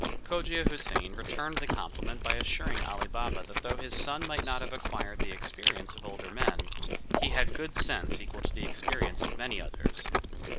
Cogia Houssain returned the compliment by assuring Ali Baba that though his son might not have acquired the experience of older men, he had good sense equal to the experience of many others.